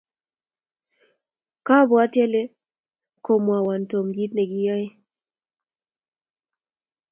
kobwoti ale ale komwoun Tom kiit nekiyoei